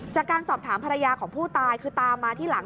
จากการสอบถามภรรยาของผู้ตายคือตามมาที่หลัง